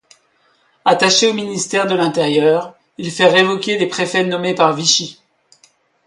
Attaché au Ministère de l'Intérieur, il fait révoquer les préfets nommés par Vichy.